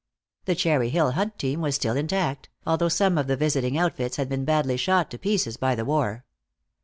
The Cherry Hill Hunt team was still intact, although some of the visiting outfits had been badly shot to pieces by the war.